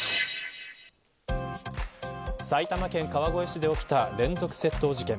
埼玉県川越市で起きた連続窃盗事件。